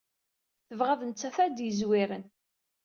Tebɣa d nettat ad d-yezwiren!